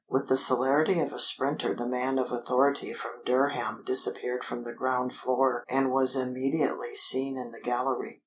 With the celerity of a sprinter the man of authority from Durham disappeared from the ground floor and was immediately seen in the gallery.